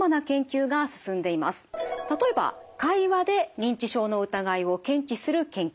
例えば会話で認知症の疑いを検知する研究。